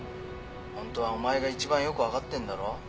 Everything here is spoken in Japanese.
ホントはお前が一番よく分かってんだろ？